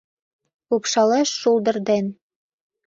Лупшалеш шулдыр ден